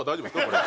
これ。